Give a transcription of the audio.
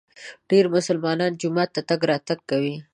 ډېر مسلمانان جومات ته تګ راتګ کوي.